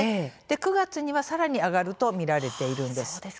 ９月は、さらに上がると見られているんです。